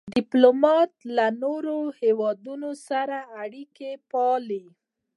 ډيپلومات له نورو هېوادونو سره اړیکي پالي.